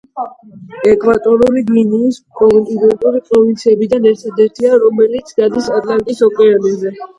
ეკვატორული გვინეის კონტინენტური პროვინციებიდან ერთადერთია, რომელიც გადის ატლანტის ოკეანეზე.